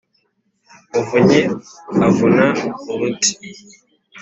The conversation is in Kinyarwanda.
Muvunyi avuna uruti